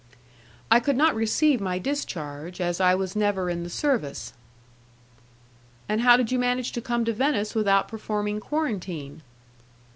"I could not receive my discharge, as I was never in the service." "And how did you manage to come to Venice without performing quarantine?"